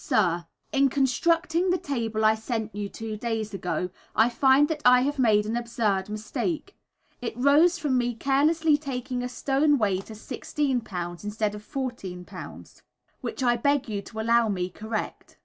Sir, In constructing the table I sent you two days ago, I find that I have made an absurd mistake. It arose from my carelessly taking a stone weight as 16 lbs., instead of 14 lbs., which I beg you to allow me correct.